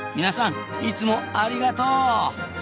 皆さんいつもありがとう！